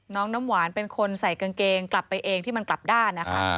น้ำหวานเป็นคนใส่กางเกงกลับไปเองที่มันกลับด้านนะคะ